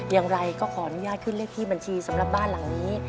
อย่างไรก็ขออนุญาตขึ้นเลขที่บัญชีสำหรับบ้านหลังนี้